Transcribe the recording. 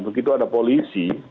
begitu ada polisi